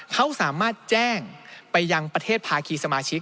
เขาสามารถแจ้งไปยังประเทศภาคีสมาชิก